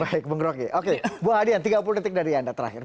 baik bung roky oke bu hadian tiga puluh detik dari anda terakhir